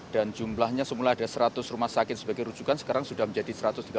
dan jumlahnya semula ada seratus rumah sakit sebagai rujukan sekarang sudah menjadi satu ratus tiga puluh tujuh